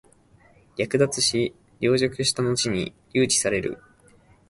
略奪し、凌辱したのちに留置される。